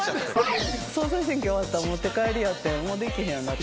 総裁選挙終わったら持って帰りよってもうできへんようになって。